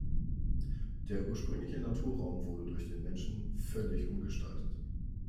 Der ursprüngliche Naturraum wurde durch den Menschen völlig umgestaltet.